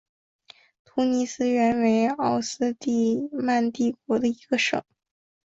突尼斯原为奥斯曼帝国的一个省。